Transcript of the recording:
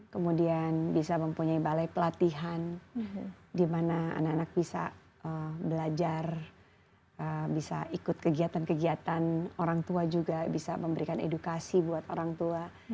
kemudian bisa mempunyai balai pelatihan di mana anak anak bisa belajar bisa ikut kegiatan kegiatan orang tua juga bisa memberikan edukasi buat orang tua